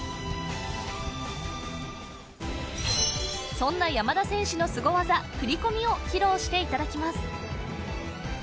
そんな山田選手のすご技振り込みを披露していただきます